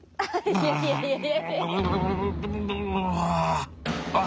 いやいやいやいや。